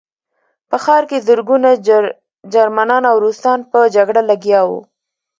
په ښار کې زرګونه جرمنان او روسان په جګړه لګیا وو